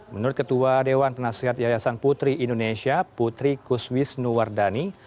menurut ketua dewan penasihat yayasan putri indonesia putri kuswisnuwardani